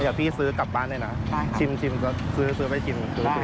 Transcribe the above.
เดี๋ยวพี่ซื้อกลับบ้านด้วยนะชิมก็ซื้อซื้อไปชิม